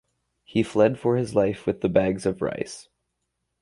He fled for his life with the bags of rice.